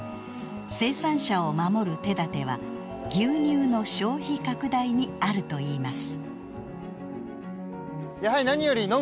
生産者を守る手だては牛乳の消費拡大にあるといいます。